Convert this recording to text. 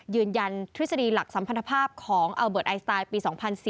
ทฤษฎีหลักสัมพันธภาพของอัลเบิร์ตไอสไตล์ปี๒๔๔